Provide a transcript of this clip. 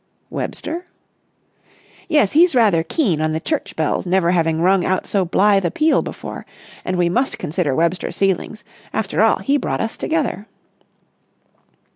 "Webster?" "Yes, he's rather keen on the church bells never having rung out so blithe a peal before. And we must consider Webster's feelings. After all, he brought us together."